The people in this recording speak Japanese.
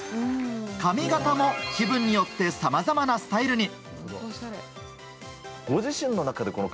髪形も気分によってさまざまなスタイルに。